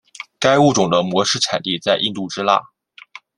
该物种的模式产地在印度支那。